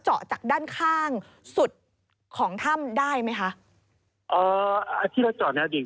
เจาะจากด้านข้างสุดของถ้ำได้ไหมคะอ๋ออ่าที่เราเจาะในอดีต